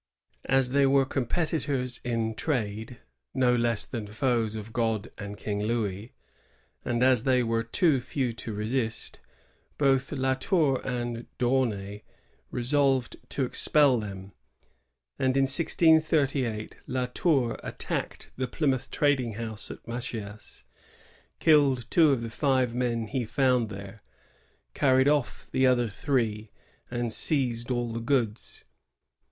As they were competitors in trade,^^ no less than foes of God and King Louis, and as/ they were too few to resist, both La Tour and D'Aunay resolved to expel them; and in 1638 La Tour attacked the Plymouth trading house at Machias, killed two of the five men he found there, carried off the other three, and seized all the goods.